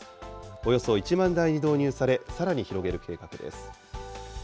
およそ１万台に導入され、さらに広げる計画です。